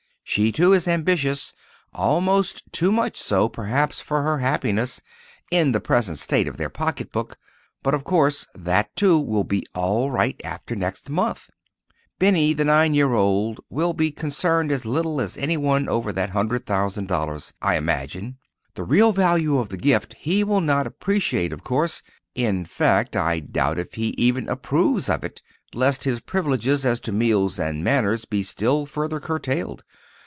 She, too, is ambitious—almost too much so, perhaps, for her happiness, in the present state of their pocketbook. But of course that, too, will be all right, after next month. Benny, the nine year old, will be concerned as little as any one over that hundred thousand dollars, I imagine. The real value of the gift he will not appreciate, of course; in fact, I doubt if he even approves of it—lest his privileges as to meals and manners be still further curtailed.